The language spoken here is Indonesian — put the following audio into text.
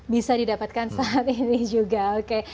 bisa didapatkan saat ini juga oke